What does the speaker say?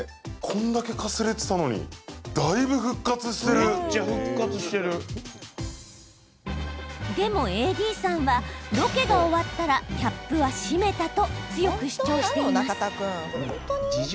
こんだけかすれてたのにでもＡＤさんはロケが終わったらキャップは閉めたと強く主張しています。